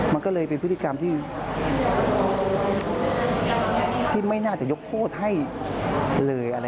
มันก็เลยเป็นพฤติกรรมที่ไม่น่าจะยกโทษให้เลย